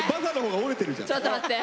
ちょっと待って！